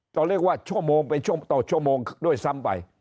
เราเรียกว่าชั่วโมงไปต่อชั่วโมงด้วยซ้ำไป